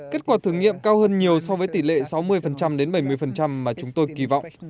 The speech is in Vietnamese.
kết quả thử nghiệm cao hơn nhiều so với tỷ lệ sáu mươi đến bảy mươi mà chúng tôi kỳ vọng